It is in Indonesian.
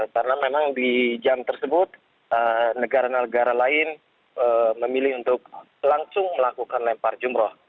karena memang di jam tersebut negara negara lain memilih untuk langsung melakukan melempar jumrah